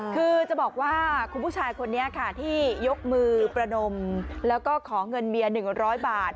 คือจะบอกว่าคุณผู้ชายคนนี้ค่ะที่ยกมือประนมแล้วก็ขอเงินเมีย๑๐๐บาท